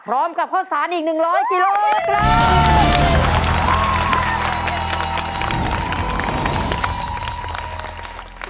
พร้อมกับข้าวสารอีก๑๐๐กิโลกรัม